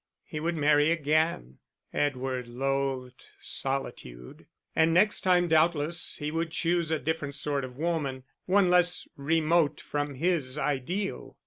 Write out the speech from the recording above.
He would marry again; Edward loathed solitude, and next time doubtless he would choose a different sort of woman one less remote from his ideal.